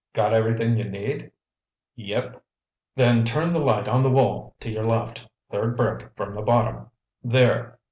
Got everything you need?" "Yep." "Then turn the light on the wall to your left—third brick from the bottom—there!"